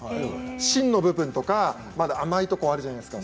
芯の部分とか甘いところがあるじゃないですか。